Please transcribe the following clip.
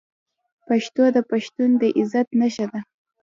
پښتو د پښتون د عزت نښه ده.